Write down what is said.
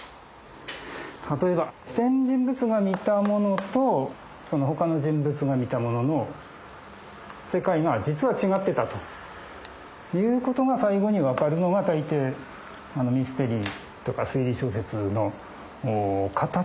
例えば視点人物が見たものとそのほかの人物が見たものの世界が実は違ってたということが最後に分かるのが大抵ミステリーとか推理小説の形なんですよ。